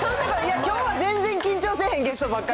きょうは全然緊張せえへんゲストばっかり。